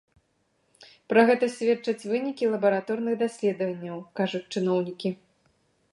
Пра гэта сведчаць вынікі лабараторных даследаванняў, кажуць чыноўнікі.